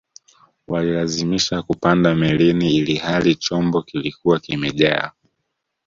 walilazimisha kupanda melini ilihali chombo kilikuwa kimejaa